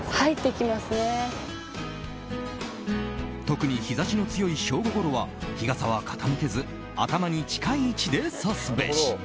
特に、日差しの強い正午ごろは日傘は傾けず頭に近い位置でさすべし。